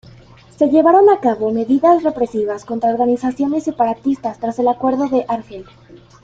Se llevaron acabo medidas represivas contra organizaciones separatistas tras el acuerdo de Argel.